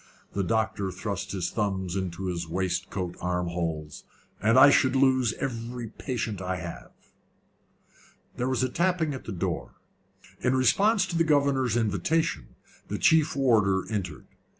The doctor thrust his thumbs into his waistcoat arm holes. "And I should lose every patient I have." There was a tapping at the door. In response to the governor's invitation, the chief warder entered.